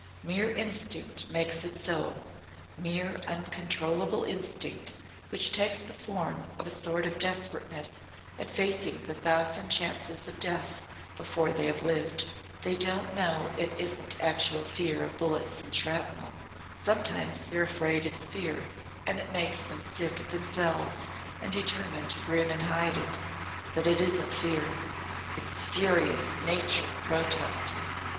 Mere instinct makes it so mere uncontrollable instinct which takes the form of a sort of desperateness at facing the thousand chances of death before they have lived. They don't know it isn't actual fear of bullets and shrapnel. Sometimes they're afraid it's fear and it makes them sick at themselves and determined to grin and hide it. But it isn't fear it's furious Nature protesting."